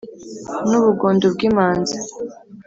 n’ubugondo bw’imanzi